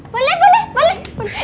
boleh boleh boleh